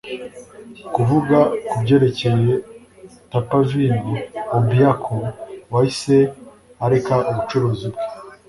kuvuga kubyerekeye tapper-vino, obiako, wahise areka ubucuruzi bwe